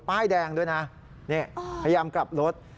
ป้ายแดงด้วยนะนี่พยายามกลับรถ